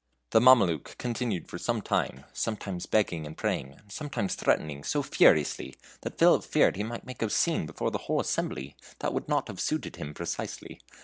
The Mameluke continued for some time, sometimes begging and praying, and sometimes threatening so furiously, that Philip feared he might make a scene before the whole assembly that would not have suited him precisely.